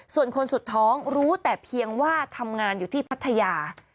ส่วนคนสุดท้องรู้แต่เพียงว่าทำงานอยู่ที่พัทยา